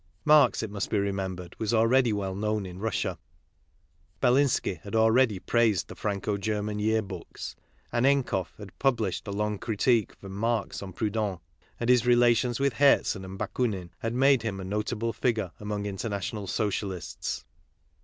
Marx, it must be remembered, was already well known in Russia. Belinsky had already praised the Franco German Year Books; Annenkov had published a long critique from Marx on Proudhon ; and his relations with Herzen and Bakunin had made him a notable figure among international Socialists.